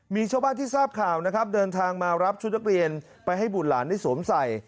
มีชาวบ้านที่ทราบข่าวนะครับเดินทางมารับชุดนักเรียนไปให้บุตรหลานได้สวมใส่